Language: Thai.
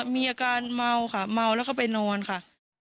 มีอาการเมาค่ะเมาแล้วก็ไปนอนค่ะ